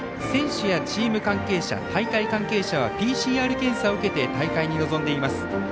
選手やチーム関係者大会関係者はＰＣＲ検査を受けて大会に臨んでいます。